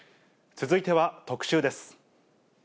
続いては特集です。